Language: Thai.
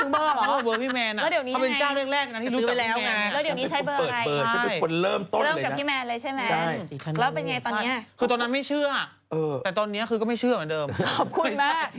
เพราะว่าเบอร์พี่แมนเขาเป็นเจ้าเลขแรกนั้นที่ซื้อไปแล้วไง